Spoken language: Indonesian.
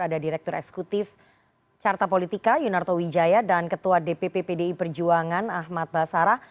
ada direktur eksekutif carta politika yunarto wijaya dan ketua dpp pdi perjuangan ahmad basara